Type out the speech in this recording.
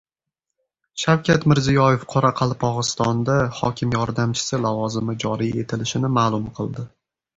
Shavkat Mirziyoyev Qoraqalpog‘istonda “hokim yordamchisi” lavozimi joriy etilishini ma’lum qildi